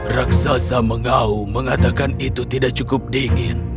raksasa mengau mengatakan itu tidak cukup dingin